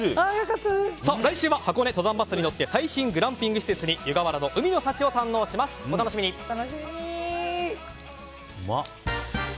来週は箱根登山バスに乗って最新グランピング施設に湯河原の海の幸を始まりました